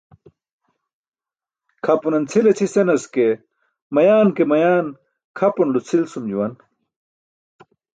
Kʰapunan cʰil aćʰi senas ke, mayan ke mayan kʰapunulo cʰil sum juwan.